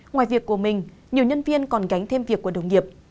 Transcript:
ngoài việc của mình nhiều nhân viên còn gánh thêm việc của đồng nghiệp